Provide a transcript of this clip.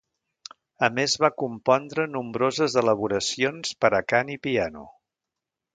A més va compondre nombroses elaboracions per a cant i piano.